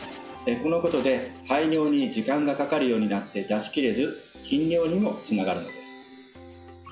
このことで排尿に時間がかかるようになって出しきれず頻尿にもつながるのです